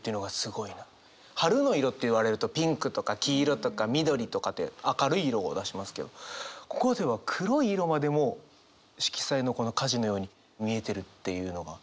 春の色って言われるとピンクとか黄色とか緑とかって明るい色を出しますけどここでは黒い色までも色彩のこの火事のように見えてるっていうのがすごいなあと思いました。